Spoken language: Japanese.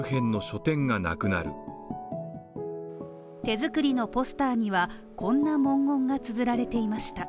手作りのポスターにはこんな文言がつづられていました。